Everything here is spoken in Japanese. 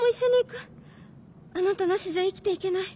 あなたなしじゃ生きていけない。